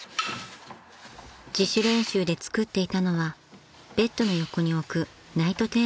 ［自主練習で作っていたのはベッドの横に置くナイトテーブル］